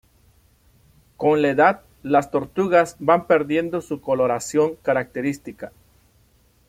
Con la edad las tortugas van perdiendo su coloración característica.